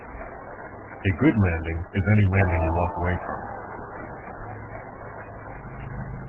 A good landing is any landing you walk away from.